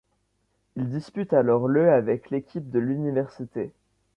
Il dispute alors le avec l'équipe de l'Université.